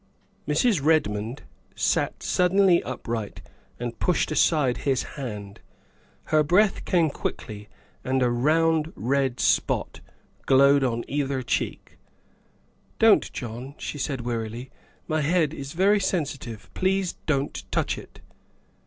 Mrs. Redmond sat suddenly upright and pushed aside his hand. Her breath came quickly and a round red spot glowed on either cheek. " Don't, John," she said wearily, " my head is very sensitive. Please don't touch it."